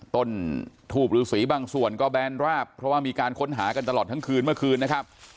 ต้นทูบฤษีบางส่วนก็แบนราบเพราะว่ามีการค้นหากันตลอดทั้งคืนเมื่อคืนนะครับ